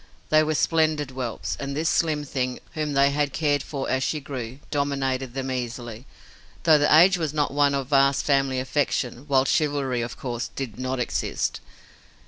They were splendid whelps, and this slim thing, whom they had cared for as she grew, dominated them easily, though the age was not one of vast family affection, while chivalry, of course, did not exist.